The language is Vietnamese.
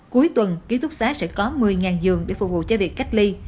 cuối tuần ký túc xá sẽ có một mươi giường để phục vụ cho việc cách ly